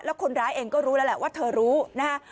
แล้วคนร้ายเองก็รู้แล้วแหละว่าเธอรู้นะฮะ